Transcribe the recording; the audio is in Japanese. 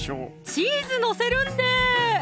チーズ載せるんでー！